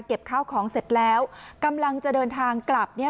ข้าวของเสร็จแล้วกำลังจะเดินทางกลับ